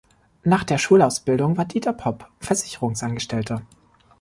Nach der Schulausbildung war Dieter Popp Versicherungsangestellter.